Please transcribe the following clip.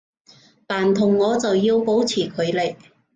但同我就要保持距離